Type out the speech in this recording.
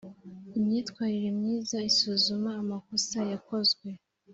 imyitwarire myiza isuzuma amakosa yakozwe